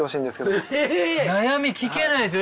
悩み聞けないですよ。